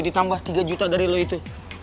ditambah tiga juta dari lo itu